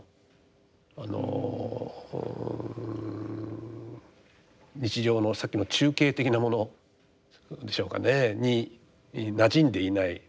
あの日常のさっきの中景的なものでしょうかねになじんでいない。